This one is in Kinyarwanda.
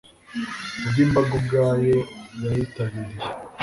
ubwo imbaga ubwayo yayitabiriye